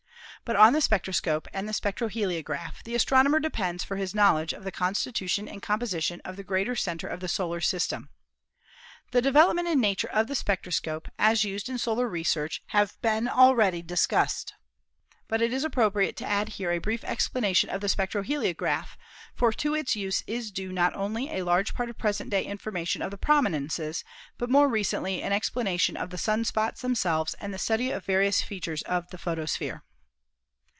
But on the spectroscope and the spectroheliograph the astrono mer depends for his knowledge of the constitution and composition of the great center of the solar system. The development and nature of the spectroscope, as used in solar research, have been already discussed, but it is ap propriate to add here a brief explanation of the spectro heliograph, for to .its use is due not only a large part of present day information of the prominences, but more recently an explanation of the sun spots themselves and the study of various features of the photosphere.